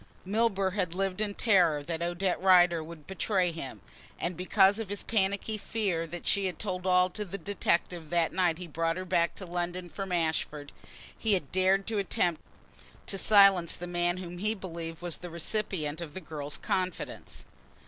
Milburgh had lived in terror that Odette Rider would betray him, and because of his panicky fear that she had told all to the detective that night he brought her back to London from Ashford, he had dared attempt to silence the man whom he believed was the recipient of the girl's confidence.